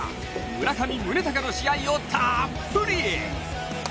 村上宗隆の試合をたっぷり！